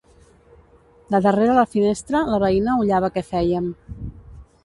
De darrere la finestra, la veïna ullava què fèiem.